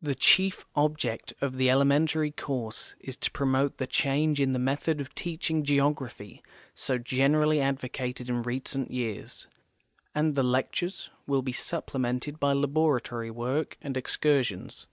The chief object of the elementary course is to promote the change in the method of teaching geography so generally advocated in recent j'ears, and the lectures will be supplemented by laboratory work and excursions.